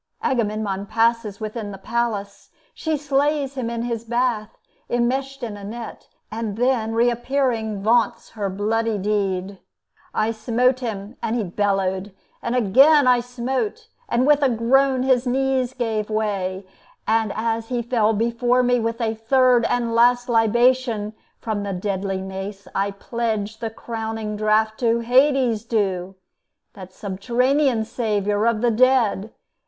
Agamemnon passes within the palace; she slays him in his bath, enmeshed in a net, and then, reappearing, vaunts her bloody deed: "I smote him, and he bellowed; and again I smote, and with a groan his knees gave way; And as he fell before me, with a third And last libation from the deadly mace, I pledged the crowning draught to Hades due, That subterranean Saviour of the dead!